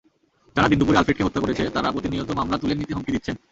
যাঁরা দিনদুপুরে আলফ্রেডকে হত্যা করেছে তাঁরা প্রতিনিয়ত মামলা তুলে নিতে হুমকি দিচ্ছেন।